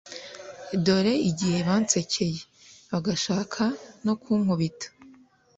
dore igihe bansekeye, bagashaka no kunkubita;